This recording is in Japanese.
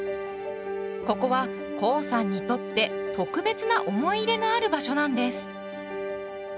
ここはコウさんにとって特別な思い入れのある場所なんです。